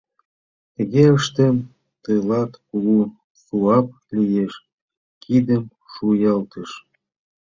Тыге ыштен, тылат кугу суап лиеш, — кидым шуялтыш.